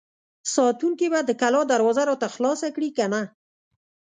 ساتونکي به د کلا دروازه راته خلاصه کړي که نه!